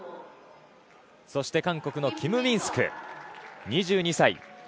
そして韓国のキム・ミンソク２２歳。